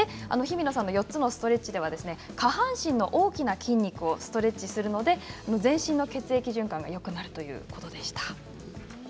日比野さんの４つのストレッチでは下半身の大きな筋肉をストレッチするので全身の血液循環がよくなるということでした。